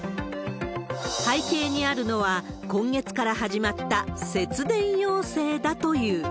背景にあるのは、今月から始まった節電要請だという。